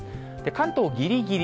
関東、ぎりぎり。